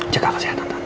jaga kesehatan tante